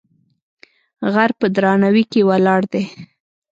غر په درناوی کې ولاړ دی.